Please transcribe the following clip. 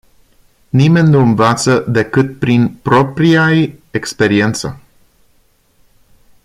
Nimeni nu învață decât prin propria-i experiență.